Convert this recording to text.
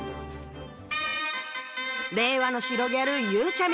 令和の白ギャルゆうちゃみ